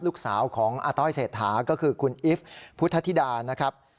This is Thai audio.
ลูกสาวของอาต้อยเศรษฐาก็คือคุณอิฟต์พุทธธิดานะครับ